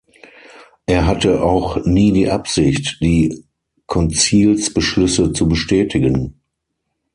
Er hatte auch nie die Absicht, die Konzilsbeschlüsse zu bestätigen.